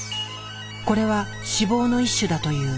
これは脂肪の一種だという。